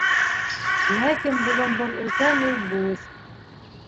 Ләкин бөгөн был өлкән өй буш.